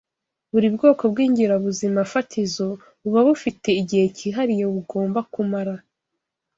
Buri bwoko bw’ingirabuzimafatizo buba bufite igihe cyihariye bugomba kumara